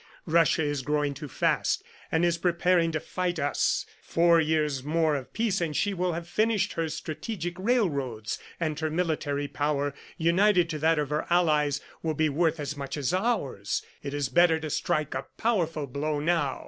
Russia is growing too fast, and is preparing to fight us. Four years more of peace and she will have finished her strategic railroads, and her military power, united to that of her allies, will be worth as much as ours. It is better to strike a powerful blow now.